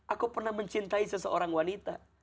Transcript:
aku pernah mencintai seseorang wanita